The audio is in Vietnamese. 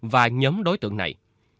và nhóm đối tượng này